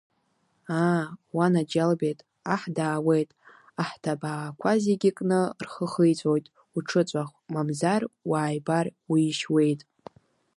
Аа, уанаџьалбеит, аҳ даауеит, ахҭабаақәа зегьы кны рхы хиҵәоит, уҽыҵәах, мамзар, уааибар, уишьуеит.